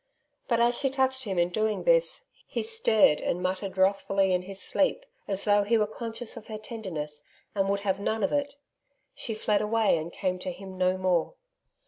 But as she touched him in doing this, he stirred and muttered wrathfully in his sleep, as though he were conscious of her tenderness and would have none of it; she fled away and came to him no more.